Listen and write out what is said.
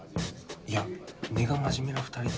いや根が真面目な２人だ